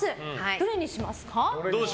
どれにしますか？